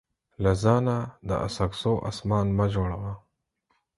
له ځانه د اڅکزو اسمان مه جوړوه.